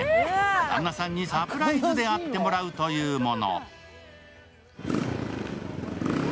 旦那さんにサプライズで会ってもらうというもの。